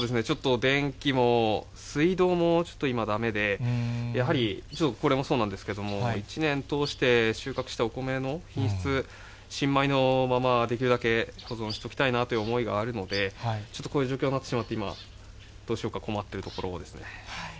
ちょっと、電気も水道もちょっと今だめで、やはり、ちょっと、これもそうなんですけれども、一年通して収穫したお米の品質、新米のまま、できるだけ保存しておきたいなという思いがあるので、ちょっとこういう状況になってしまって、どうしようか、困っているところですね。